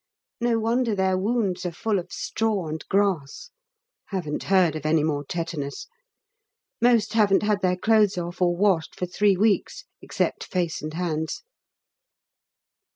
No wonder their wounds are full of straw and grass. (Haven't heard of any more tetanus.) Most haven't had their clothes off, or washed, for three weeks, except face and hands.